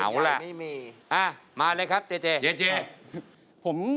เอาล่ะมาเลยครับเจเจเจเจ